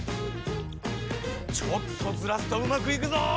ちょっとズラすとうまくいくぞ。